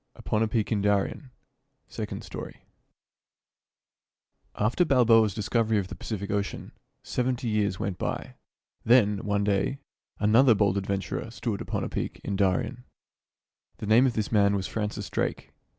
"UPON. A PEAK IN DARIEN " SECOND STORY After Balboa's discovery of the Pacific Ocean, seventy years went by. Then, one day, another bold adventurer stood upon a peak in Darien. The name of this man was Francis Drake.